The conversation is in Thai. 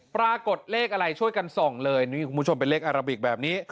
ปรากฏเลขอะไรช่วยกันส่องเลยนี่คุณผู้ชมเป็นเลขอาราบิกแบบนี้